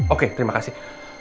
oke terima kasih